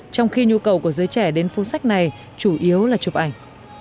trong khi nhu cầu của giới trẻ đến phố sách này chủ yếu là chụp ảnh